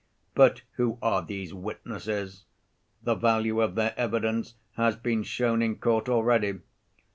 But who are these witnesses? The value of their evidence has been shown in court already.